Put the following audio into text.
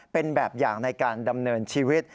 เป็นแบบอย่างในการดำเนินชีวิต